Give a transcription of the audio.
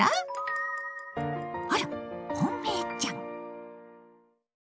あら本命ちゃん！